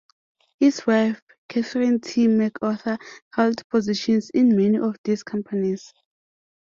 His wife, Catherine T. MacArthur, held positions in many of these companies.